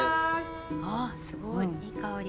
ああすごいいい香り。